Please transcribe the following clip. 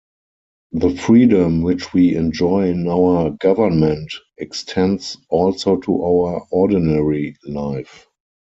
The freedom which we enjoy in our government extends also to our ordinary life.